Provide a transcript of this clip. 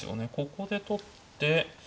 ここで取って。